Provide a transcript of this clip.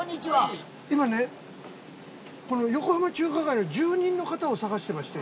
今ね横浜中華街の住人の方を探してまして。